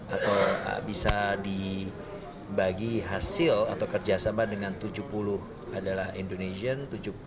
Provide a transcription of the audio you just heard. atau bisa dibagi hasil atau kerjasama dengan tujuh puluh adalah indonesian